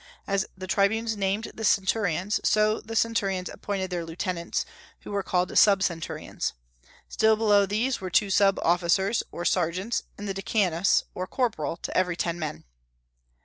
As the tribunes named the centurions, so the centurions appointed their lieutenants, who were called sub centurions. Still below these were two sub officers, or sergeants, and the decanus, or corporal, to every ten men.